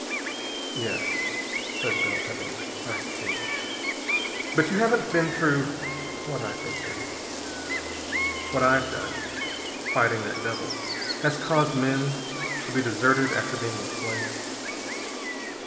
"Yes," said Bell heavily. "I see. But you haven't been through what I've been through. What I've done, fighting that devil, has caused men to be deserted after being enslaved.